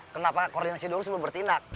kenapa koordinasi dulu sebelum bertindak